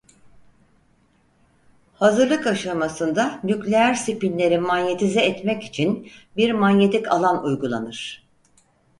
Hazırlık aşamasında nükleer spinleri manyetize etmek için bir manyetik alan uygulanır.